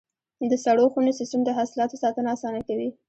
د سړو خونو سیستم د حاصلاتو ساتنه اسانه کوي.